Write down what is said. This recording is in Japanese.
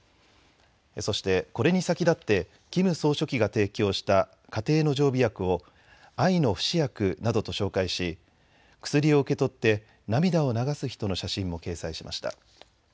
そしてこれに先立ってキム総書記が提供した家庭の常備薬を愛の不死薬などと紹介し薬を受け取って涙を流す人の写真も掲載しました。